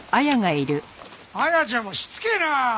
彩ちゃんもしつけえな！